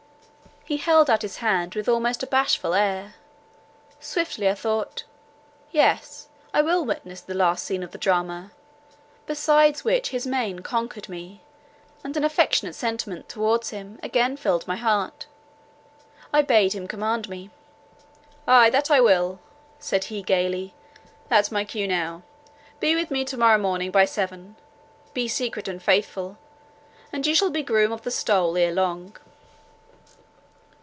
He held out his hand with almost a bashful air. Swiftly I thought—Yes, I will witness the last scene of the drama. Beside which, his mien conquered me, and an affectionate sentiment towards him, again filled my heart—I bade him command me. "Aye, that I will," said he gaily, "that's my cue now; be with me to morrow morning by seven; be secret and faithful; and you shall be groom of the stole ere long."